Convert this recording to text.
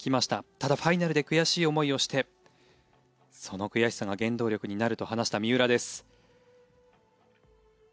ただ、ファイナルで悔しい思いをしてその悔しさが原動力になると話した三浦です。